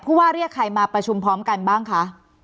ว่าเรียกใครมาประชุมพร้อมกันบ้างคะ